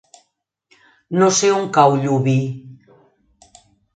No sé on cau Llubí.